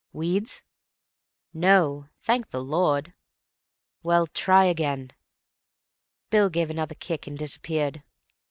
"Weeds?" "No, thank the Lord." "Well, try again." Bill gave another kick and disappeared.